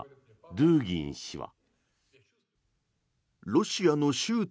ドゥーギン氏は。